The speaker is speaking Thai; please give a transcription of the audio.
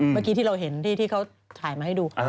เมื่อกี้ที่เราเห็นที่เขาถ่ายมาให้ดู